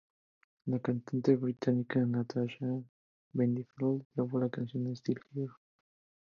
La cantante británica Natasha Bedingfield grabó la canción "Still Here".